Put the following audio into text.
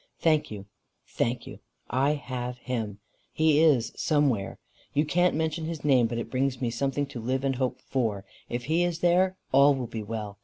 "Thank you. Thank you. I have him. He is somewhere. You can't mention his name but it brings me something to live and hope for. If he is there, all will be well.